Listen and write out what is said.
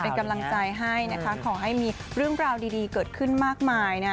เป็นกำลังใจให้นะคะขอให้มีเรื่องราวดีเกิดขึ้นมากมายนะ